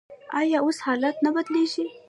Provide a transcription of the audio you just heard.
آیا اوس حالات نه بدلیږي؟